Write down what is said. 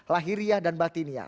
lahiriah dan batinia